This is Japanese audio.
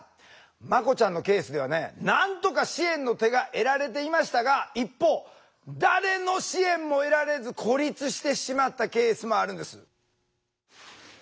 まこちゃんのケースではねなんとか支援の手が得られていましたが一方誰の支援も得られず孤立してしまったケースもあるんです。